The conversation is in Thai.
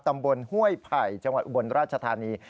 ห้วยไผ่จังหวัดอุบลราชธานี